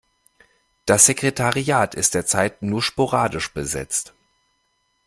Das Sekretariat ist derzeit nur sporadisch besetzt.